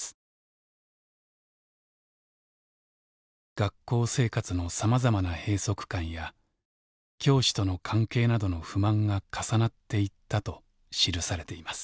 学校生活のさまざまな閉塞感や教師との関係などの不満が重なっていったと記されています。